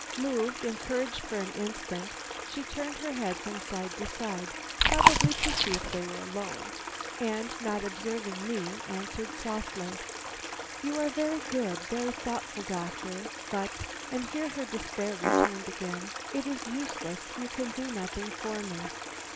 Moved, encouraged for the instant, she turned her head from side to side, probably to see if they were alone, and not observing me, answered softly: "You are very good, very thoughtful, doctor, but" and here her despair returned again "it is useless; you can do nothing for me."